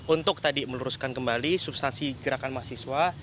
untuk tadi meluruskan kembali substansi gerakan mahasiswa